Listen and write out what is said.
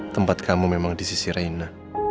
tempat kamu memang di sisi reina